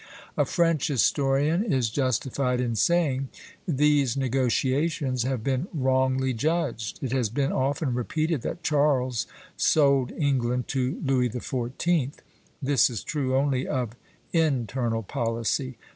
A French historian is justified in saying: "These negotiations have been wrongly judged. It has been often repeated that Charles sold England to Louis XIV. This is true only of internal policy.